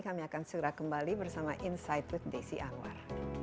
kami akan segera kembali bersama insight with desi anwar